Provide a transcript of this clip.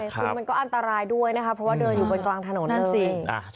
คุณมันก็อันตรายด้วยนะคะเพราะว่าเดินอยู่บนกลางถนนนั่นสิ